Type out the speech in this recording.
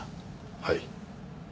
はい。